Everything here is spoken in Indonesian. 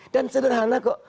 dan sederhana kok